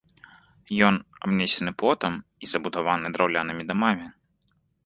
Ён абнесены плотам і забудаваны драўлянымі дамамі.